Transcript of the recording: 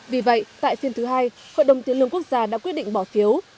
vì vậy tại phiên thứ hai hội đồng tiến lương quốc gia đã quyết định bỏ phiếu